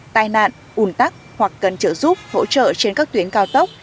tai nạn un tắc hoặc cần trợ giúp hỗ trợ trên các tuyến cao tốc